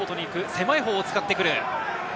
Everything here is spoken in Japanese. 狭い方を使ってくる。